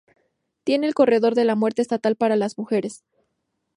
Tiene el corredor de la muerte estatal para mujeres.